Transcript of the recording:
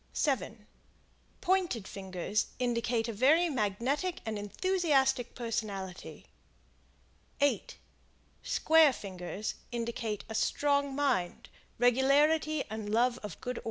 7 Pointed fingers indicate a very magnetic and enthusiastic personality. 8 Square fingers indicate a strong mind, regularity and love of good order.